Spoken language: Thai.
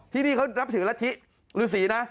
ที่นี่เขารับถือละทิหรือศรีนะ